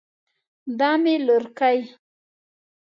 دا مې لورکۍ